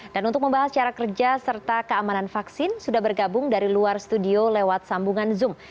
dan untuk membahas cara kerja serta keamanan vaksin sudah bergabung dari luar studio lewat sambungan zoom